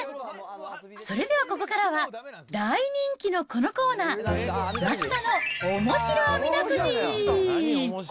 それではここからは大人気のこのコーナー、ますだのオモシロあみだくじ。